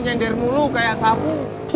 mas dasarnya muological misalnya